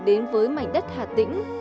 đến với mảnh đất hà tĩnh